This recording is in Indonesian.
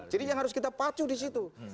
jadi yang harus kita pacu di situ